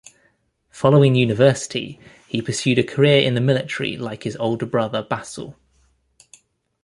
Following university he pursued a career in the military like his older brother Bassel.